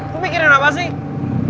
lu mikirin apa sih